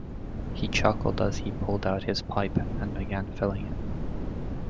He chuckled as he pulled out his pipe and began filling it.